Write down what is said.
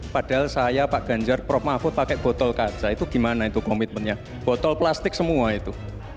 padahal saya pak ganjar prof mahfud pakai botol kaca itu gimana itu komitmennya botol plastik semua itu